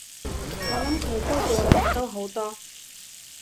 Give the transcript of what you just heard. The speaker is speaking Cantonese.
我諗佢高過你，高好多